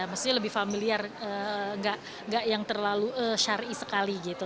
maksudnya lebih familiar nggak yang terlalu syari sekali gitu